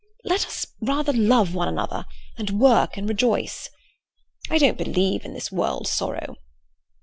Let us rather love one another, and work and rejoice. I don't believe in this world sorrow."